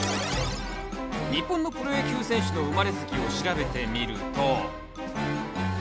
日本のプロ野球選手の生まれ月を調べてみると。